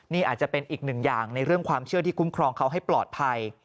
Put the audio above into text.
นี่อาจจะเป็นอีกหนึ่งอย่างในเรื่องความเชื่อที่คุ้มครองเขาให้ปลอดภัย